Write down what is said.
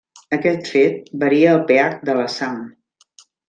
Aquest fet varia el pH de la sang.